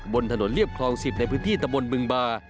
บนถนนเรียบคลอง๑๐ในพื้นที่ตะบนบึงบา